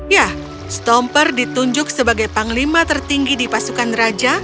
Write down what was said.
ya stomper ditunjuk sebagai panglima tertinggi di pasukan raja